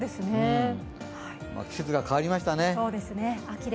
季節が変わりましたね。